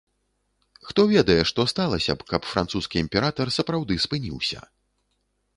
Хто ведае, што сталася б, каб французскі імператар сапраўды спыніўся?